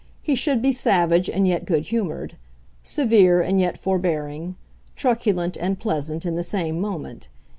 He should be savage and yet good humoured; severe and yet forbearing; truculent and pleasant in the same moment.